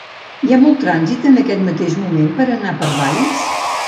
Hi ha molt trànsit en aquest mateix moment per anar per Valls?